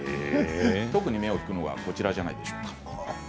特に目を引くのがこちらじゃないでしょうか。